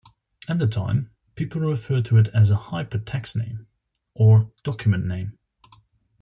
At the time, people referred to it as a "hypertext name" or "document name".